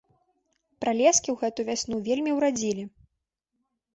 Пралескі ў гэту вясну вельмі ўрадзілі.